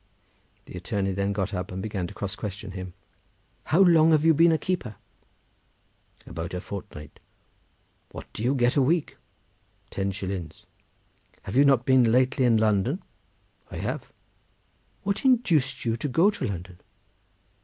The attorney then got up, and began to cross question him. "How long have you been a keeper?" "About a fortnight." "What do you get a week?" "Ten shillings." "Have you not lately been in London?" "I have." "What induced you to go to London?"